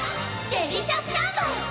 デリシャスタンバイ！